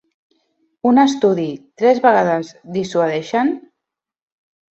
Un estudi, Tres vegades dissuadeixen?